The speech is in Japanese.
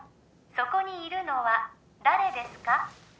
そこにいるのは誰ですか？